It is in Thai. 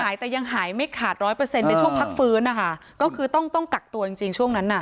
แต่ยังหายไม่ขาดร้อยเปอร์เซ็นต์ในช่วงพักฟื้นนะคะก็คือต้องต้องกักตัวจริงจริงช่วงนั้นน่ะ